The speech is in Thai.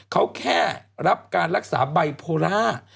เขาแค่รับการรักษาไบโพล่า